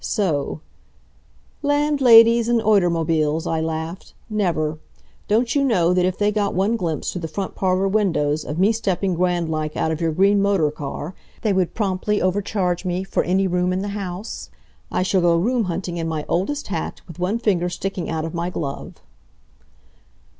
So "Landladies and oitermobiles!" I laughed. "Never! Don't you know that if they got one glimpse, through the front parlor windows, of me stepping grand like out of your green motor car, they would promptly over charge me for any room in the house? I shall go room hunting in my oldest hat, with one finger sticking out of my glove."